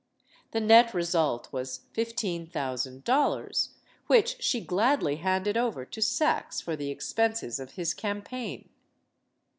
The net result was fifteen thousand dollars, which she gladly handed over to Saxe for the expenses of his campaign.